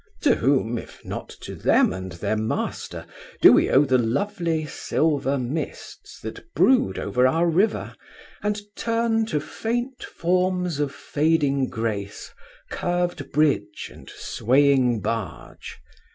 To whom, if not to them and their master, do we owe the lovely silver mists that brood over our river, and turn to faint forms of fading grace curved bridge and swaying barge?